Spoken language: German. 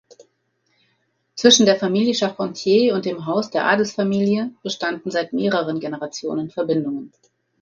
Zwischen der Familie Charpentier und dem Haus der Adelsfamilie bestanden seit mehreren Generationen Verbindungen.